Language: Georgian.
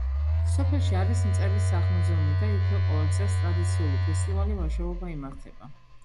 სოფელში არის მწერლის სახლ-მუზეუმი და იქვე ყოველ წელს ტრადიციული ფესტივალი „ვაჟაობა“ იმართება.